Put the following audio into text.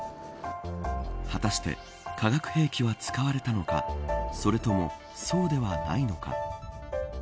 果たして化学兵器は使われたのかそれとも、そうではないのか。